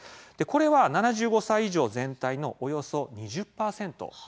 これは７５歳以上全体のおよそ２０％なんです。